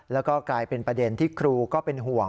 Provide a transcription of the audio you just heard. แล้วก็กลายเป็นประเด็นที่ครูก็เป็นห่วง